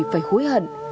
phải hối hận